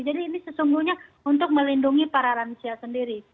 jadi ini sesungguhnya untuk melindungi paralansia sendiri